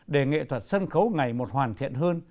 để nghệ thuật sân khấu ngày một hoàn thiện hơn